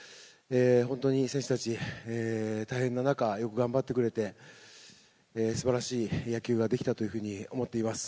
本当に選手たち、大変な中、よく頑張ってくれて、すばらしい野球ができたというふうに思っています。